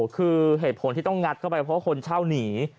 คือเหตุผลที่ต้องงัดเข้าไปเพราะคนเช่าหนี